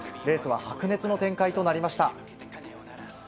レースは白熱の展開となりました。